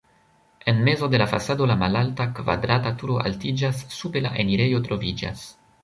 En mezo de la fasado la malalta, kvadrata turo altiĝas, sube la enirejo troviĝas.